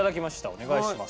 お願いします。